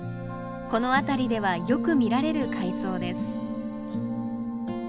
この辺りではよく見られる海藻です。